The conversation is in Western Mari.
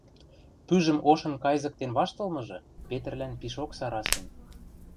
пӱжӹм ошын кайзыктен ваштылмыжы Петрлӓн пишок сарасен.